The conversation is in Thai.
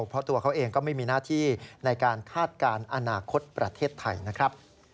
เพราะตัวเขาเองก็ไม่มีหน้าที่ในการคาดการณ์อนาคตประเทศไทยนะครับ